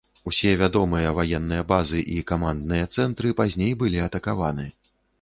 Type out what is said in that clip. Усе вядомыя ваенныя базы і камандныя цэнтры пазней былі атакаваны.